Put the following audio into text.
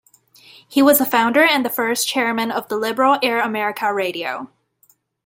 He was a founder and the first chairman of the liberal Air America Radio.